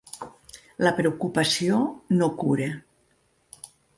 La preocupació no cura.